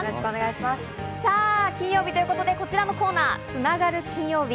さぁ、金曜日ということでこちらのコーナー、つながる金曜日。